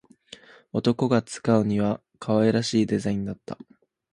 男が使うには可愛らしいデザインだった